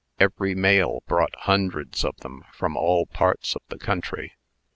Every mail brought hundreds of them from all parts of the country.